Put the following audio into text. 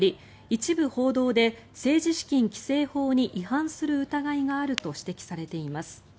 一部報道で政治資金規制法に違反する疑いがあると指摘されています。